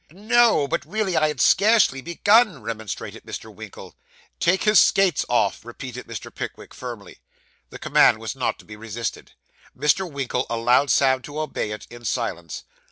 'No; but really I had scarcely begun,' remonstrated Mr. Winkle. 'Take his skates off,' repeated Mr. Pickwick firmly. The command was not to be resisted. Mr. Winkle allowed Sam to obey it, in silence.